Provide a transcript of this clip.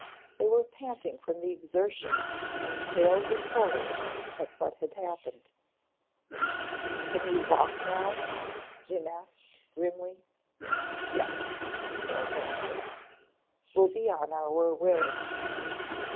They were panting from the exertion and pale with horror at what had happened. "Can you walk now?" Jim asked grimly. "Yes," Mills answered. "We'll be on our way."